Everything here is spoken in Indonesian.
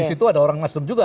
di situ ada orang nasdem juga